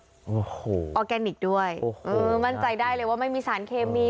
โอ้โหออร์แกนิคด้วยโอ้โหมั่นใจได้เลยว่าไม่มีสารเคมี